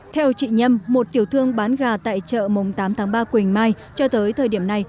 theo chị nhâm một tiểu thương bán gà tại chợ mùng tám tháng ba quỳnh mai cho tới thời điểm này